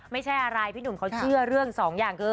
ไม่ใช่อะไรพี่หนุ่มเขาเชื่อเรื่องสองอย่างคือ